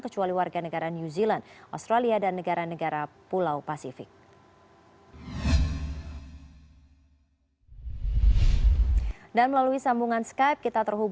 kecuali warga negara new zealand australia dan negara negara pulau pasifik